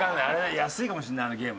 安いかもしれないあのゲーム。